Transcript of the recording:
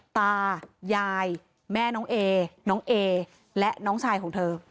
ตายายแม่น้องเอน้องเอและน้องชายของเธอ